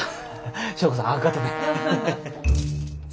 祥子さんあっがとね。